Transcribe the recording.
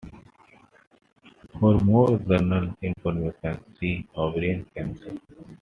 For more general information, see ovarian cancer.